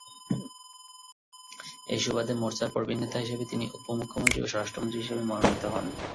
সেই সুবাদে মোর্চার প্রবীণ নেতা হিসেবে তিনি উপ -মুখ্যমন্ত্রী ও স্বরাষ্ট্র মন্ত্রী হিসেবে মনোনীত হন।